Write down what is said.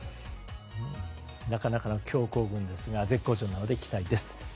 なかなかの強行軍ですが絶好調なので期待です。